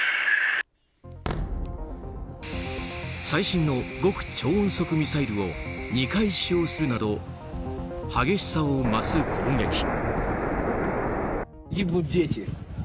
最新の極超音速ミサイルを２回使用するなど激しさを増す攻撃。